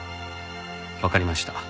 わかりました。